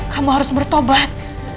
kamu harus bertobat